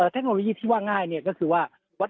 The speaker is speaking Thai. เทคโนโลยีที่ว่าง่ายเนี่ยก็คือว่า